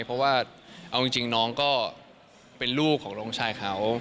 เพราะว่าเอาจริงน้องก็เป็นลูกของน้องชายเขา